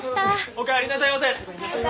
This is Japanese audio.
お帰りなさいませ！